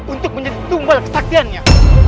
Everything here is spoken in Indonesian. untuk menjadi tumbal kesaktiannya